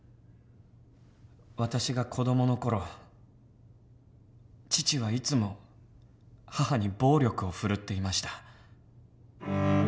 私が子どもの頃父はいつも母に暴力を振るっていました。